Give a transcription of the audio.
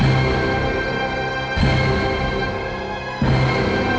gue mau pergi ke rumah